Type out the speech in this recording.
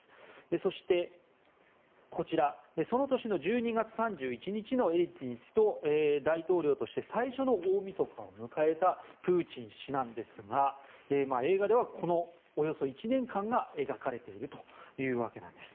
そして、その年の１２月３１日のエリツィン氏と、大統領として最初の大みそかを迎えたプーチン氏なんですが映画ではこのおよそ１年間が描かれているというわけなんです。